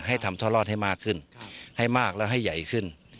ให้ทำท่อลอดให้มากขึ้นให้มากแล้วให้ใหญ่ขึ้น